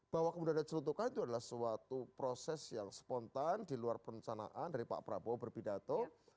bahwa kemudian ada celutukan itu adalah suatu proses yang spontan di luar perencanaan dari pak prabowo berpidato